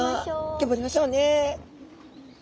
頑張りましょうね。